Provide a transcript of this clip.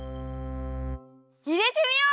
いれてみよう！